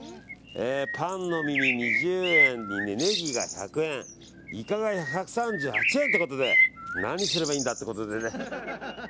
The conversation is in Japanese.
パンの耳、２０円ネギが１００円イカが１３８円ということで何すればいいんだってことでね。